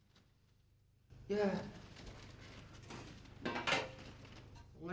enggak nih nih ini aja nih makan